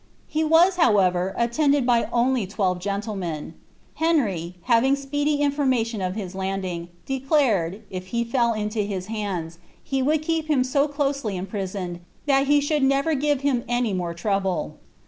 He was, however, attended by only twelve gentlemen. Henry, having speedy information of hu landing, declared, if he fell into liia hands, he would keep him so closely imprisoned, that he should never give him any more trouble.